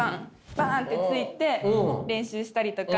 パン！って突いて練習したりとか。